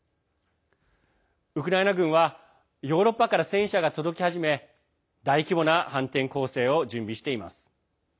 ウクライナ軍はヨーロッパから戦車が届き始め大規模な反転攻勢を準備しています。